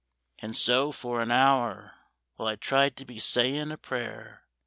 An' so for an hour while I tried to be sayin' a prayer.